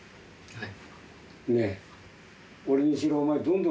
はい。